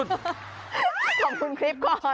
ความลับของแมวความลับของแมว